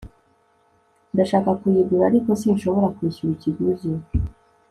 ndashaka kuyigura, ariko sinshobora kwishyura ikiguzi